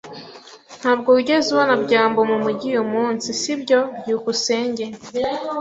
Ntabwo wigeze ubona byambo mumujyi uyu munsi, sibyo? byukusenge